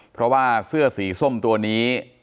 เพราะว่าเสื้อสีส้มตัวนี้